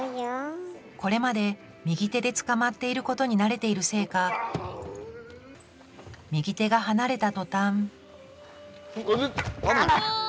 これまで右手でつかまっていることに慣れているせいか右手が離れた途端うわっ。